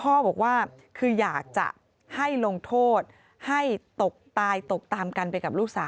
พ่อบอกว่าคืออยากจะให้ลงโทษให้ตกตายตกตามกันไปกับลูกสาว